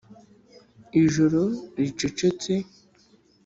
ijoro ricecetse